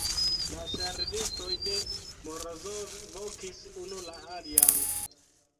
La servistoj de Morozov vokis unu la alian.